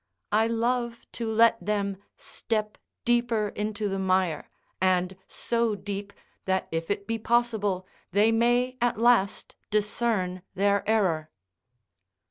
I love to let them step deeper into the mire; and so deep, that, if it be possible, they may at last discern their error.